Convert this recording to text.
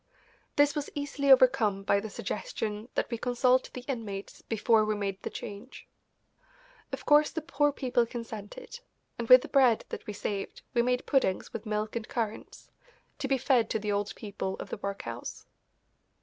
This was easily overcome by the suggestion that we consult the inmates before we made the change. Of course the poor people consented, and with the bread that we saved we made puddings with milk and currants, to be fed to the old people of the workhouse.